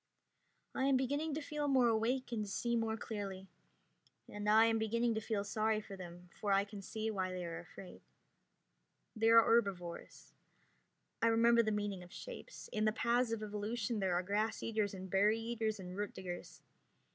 I am beginning to feel more awake and to see more clearly. And I am beginning to feel sorry for them, for I can see why they are afraid. They are herbivores. I remember the meaning of shapes. In the paths of evolution there are grass eaters and berry eaters and root diggers.